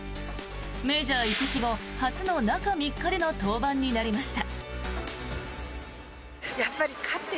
メジャー移籍後初の中３日での登板になりました。